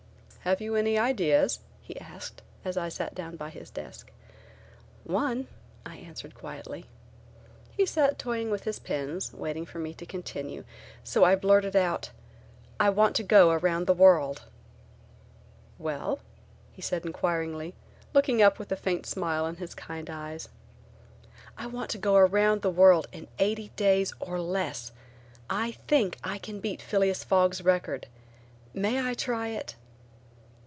"Have you any ideas?" he asked, as I sat down by his desk. "One," I answered quietly. He sat toying with his pens, waiting for me to continue, so I blurted out: "I want to go around the world!" "Well?" he said, inquiringly looking up with a faint smile in his kind eyes. "I want to go around in eighty days or less. I think I can beat Phileas Fogg's record. May I try it?"